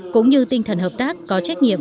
cũng như tinh thần hợp tác có trách nhiệm